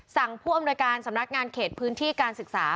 ผู้อำนวยการสำนักงานเขตพื้นที่การศึกษา